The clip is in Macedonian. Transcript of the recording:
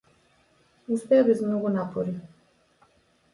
Успеа без многу напори.